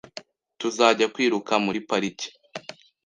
Tuzajya kwiruka muri parike .